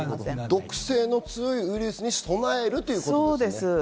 毒性の強いウイルスに備えるそうです。